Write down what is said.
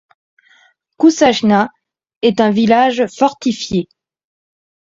Kučajna est un village fortifié.